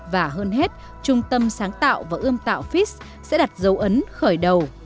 và hơn hết trung tâm sáng tạo và ươm tạo fizz sẽ đặt dấu ấn khởi đầu